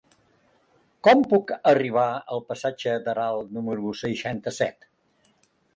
Com puc arribar al passatge d'Aral número seixanta-set?